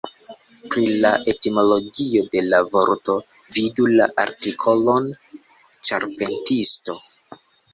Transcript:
Pri la etimologio de la vorto vidu la artikolon "ĉarpentisto".